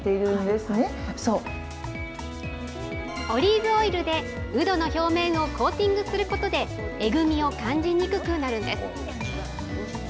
オリーブオイルでうどの表面をコーティングすることで、えぐみを感じにくくなるんです。